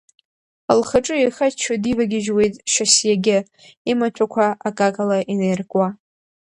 Лхаҿы еихаччо дивагьежьуеит Шьасиагьы, имаҭәақәа акакала инаиркуа.